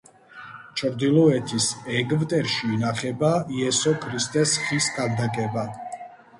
ჩრდილოეთის ეგვტერში ინახება იესო ქრისტეს ხის ქანდაკება.